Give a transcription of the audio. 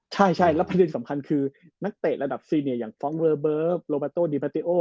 ใช่แล้วประเด็นสำคัญคือนักเตะระดับซีเนียอย่างฟ้องเวอร์เบิร์ฟโลบาโต้ดีบาติโอ